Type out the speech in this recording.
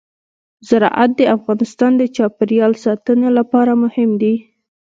زراعت د افغانستان د چاپیریال ساتنې لپاره مهم دي.